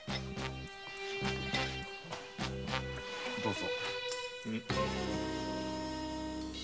どうぞ。